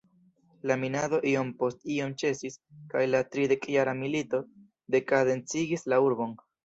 La minado iom post iom ĉesis kaj la "tridekjara milito" dekaden-cigis la urbon.